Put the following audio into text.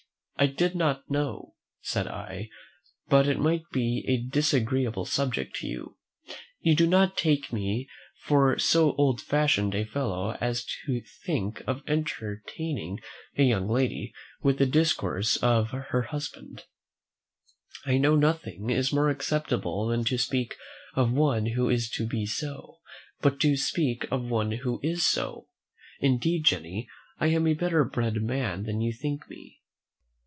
"I did not know," said I, "but it might be a disagreeable subject to you. You do not take me for so old fashioned a fellow as to think of entertaining a young lady with the discourse of her husband. I know nothing is more acceptable than to speak of one who is to be so; but to speak of one who is so! indeed, Jenny, I am a better bred man than you think me."